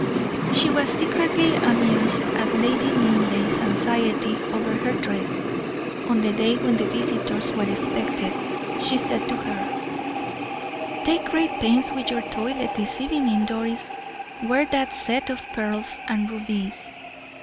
She was secretly amused at Lady Linleigh's anxiety over her dress. On the day when the visitors were expected, she said to her: "Take great pains with your toilet this evening, Doris wear that set of pearls and rubies."